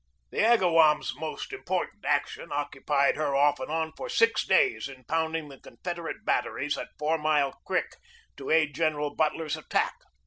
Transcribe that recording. The Agawam 9 s most important action occupied her off and on for six days in pounding the Confed erate batteries at Four Mile Creek to aid General Butler's attack.